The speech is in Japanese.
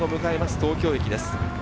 東京駅です。